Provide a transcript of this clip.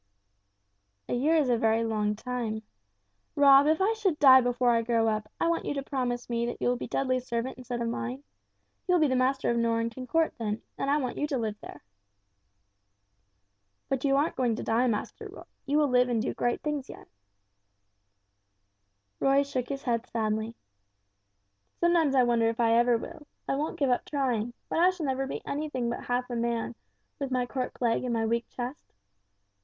"A year is a very long time. Rob, if I should die before I grow up, I want you to promise me that you will be Dudley's servant instead of mine. He will be master of Norrington Court, then, and I want you to live there." "But you aren't going to die, Master Roy, you will live and do great things yet." Roy shook his head a little sadly. "Sometimes I wonder if I ever will. I won't give up trying, but I shall never be anything but half a man, with my cork leg and my weak chest.